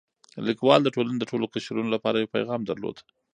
لیکوال د ټولنې د ټولو قشرونو لپاره یو پیغام درلود.